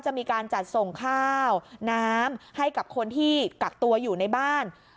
จะมีการจัดส่งข้าวน้ำให้กับคนที่กักตัวอยู่ในบ้าน